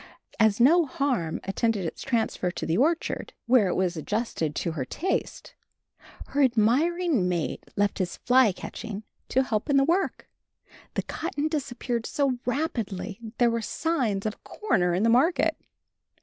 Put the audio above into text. As no harm attended its transfer to the orchard, where it was adjusted to her taste, her admiring mate left his fly catching to help in the work, the cotton disappearing so rapidly there were signs of a corner in the market.